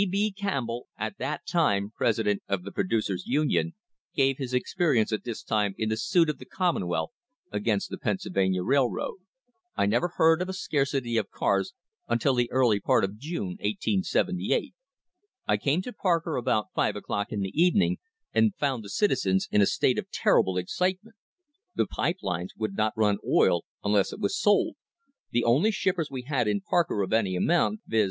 B. B. Campbell, at that time president of the Producers' Union, gave his experience at this time in the suit of the Commonwealth against the Pennsylvania Railroad: "I never heard of a scarcity of cars until the early part of June, 1878; I came to Parker about five o'clock in the evening, and found the citizens in a state of terrible excitement; the Pipe Lines would not run oil unless it was sold; the only shippers we had in Parker of any amount, viz.